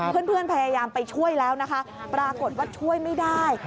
เพื่อนพยายามไปช่วยแล้วนะคะปรากฏว่าช่วยไม่ได้